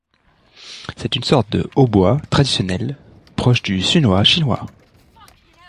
C'est une sorte de hautbois traditionnel proche du suona chinois.